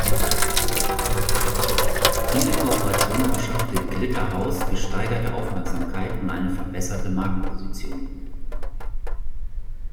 Diese Kooperation verschaffte Glitterhouse gesteigerte Aufmerksamkeit und eine verbesserte Marktposition.